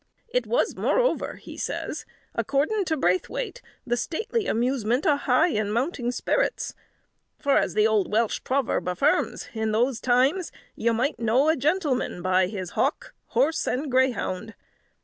"It was, moreover," he says, "according to Braithewaite, the stately amusement of high and mounting spirits; for, as the old Welsh proverb affirms, in those times 'You might know a gentleman by his hawk, horse, and greyhound.'